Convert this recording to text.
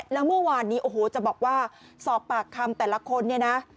แล้วเมื่อวานนี้โอ้โหจะบอกว่าสอบปากคำแต่ละคนเนี่ยนะ